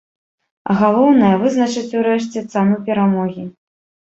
А галоўнае, вызначыць урэшце цану перамогі.